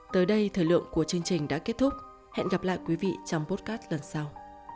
tới đây thời lượng của chương trình đã kết thúc hẹn gặp lại quý vị trong podcast lần sau